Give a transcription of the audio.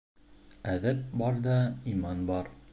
Әҙәп барҙа иман бар